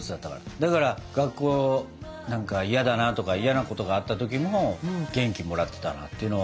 だから学校なんか嫌だなとか嫌なことあった時も元気もらってたなっていうのは。